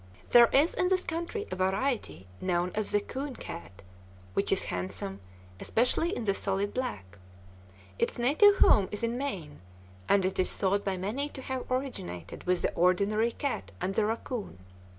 There is in this country a variety known as the "coon cat," which is handsome, especially in the solid black. Its native home is in Maine, and it is thought by many to have originated with the ordinary cat and the raccoon.